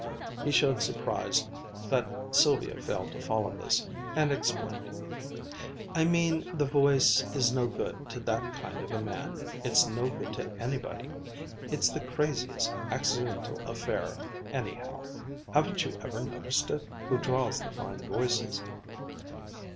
He showed surprise that Sylvia failed to follow this, and explained. "I mean the voice is no good to that kind of a man, it's no good to anybody. It's the craziest, accidental affair anyhow, haven't you ever noticed it? who draws the fine voices.